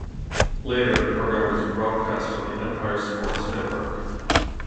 Later the program was broadcast on the Empire Sports Network.